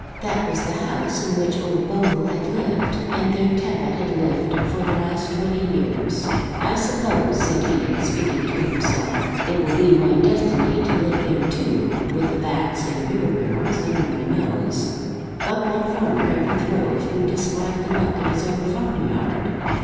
That was the house in which old Bungall had lived, and there Tappitt had lived for the last twenty years. "I suppose," said he, speaking to himself, "it will be my destiny to live there too, with the vats and beer barrels under my nose. But what farmer ever throve who disliked the muck of his own farm yard?"